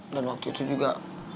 dan waktu itu juga